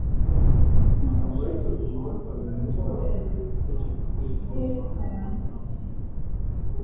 Amagambo ya Yesu atuma batangira gutekereza ko yifuza gukorera muri bo